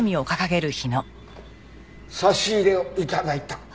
差し入れを頂いた。